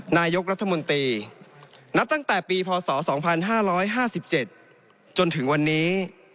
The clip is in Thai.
นายกรัฐมนตรีนับตั้งแต่ปีพศ๒๕๕๗จนถึงวันนี้